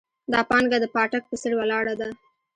دا پانګه د پاټک په څېر ولاړه ده.